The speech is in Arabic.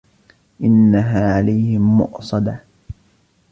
إِنَّهَا عَلَيْهِمْ مُؤْصَدَةٌ